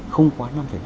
không quá năm năm